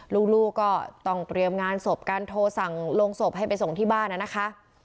ลูกก็ต้องเตรียมงานศพกันโทรสั่งโรงศพให้ไปส่งที่บ้านนะคะ